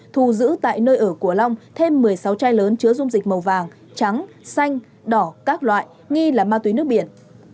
thu giữ tại nơi ở của long thêm một mươi sáu chai lớn chứa dung dịch màu vàng trắng xanh đỏ các loại nghi là ma túy nước biển